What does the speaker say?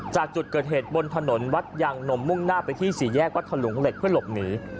จากจุดเกิดเหตุบนถนนวัดยางนมมุ่งหน้าไปที่สี่แยกวัดถลุงเหล็กเพื่อหลบหนี